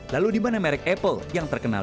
lalu di mana merek apple yang terkenal